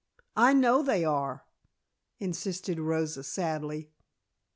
"I know they are," insisted Rosa sadly.